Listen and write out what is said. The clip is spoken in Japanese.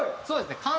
そうですね。